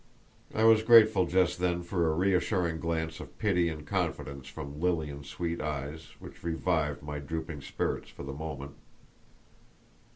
I was grateful just then for a reassuring glance of pity and confidence from Lilian's sweet eyes, which revived my drooping spirits for the moment.